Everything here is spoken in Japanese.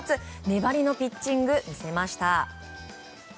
粘りのピッチングを見せました。